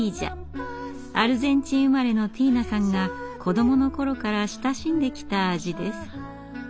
アルゼンチン生まれのティーナさんが子どもの頃から親しんできた味です。